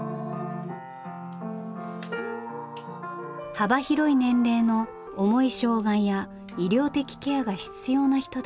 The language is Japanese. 幅広い年齢の重い障害や医療的ケアが必要な人たち。